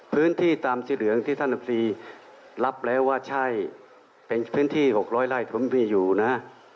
เป็นพื้นที่๖๐๐ไร่ที่ผมมีอยู่นะ